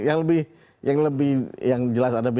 yang lebih yang lebih yang jelas ada bandingnya